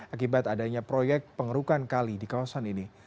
akibat adanya proyek pengerukan kali di kawasan ini